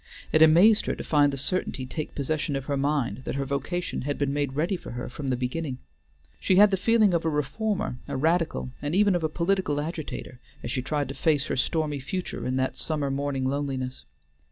It amazed her to find the certainty take possession of her mind that her vocation had been made ready for her from the beginning. She had the feeling of a reformer, a radical, and even of a political agitator, as she tried to face her stormy future in that summer morning loneliness.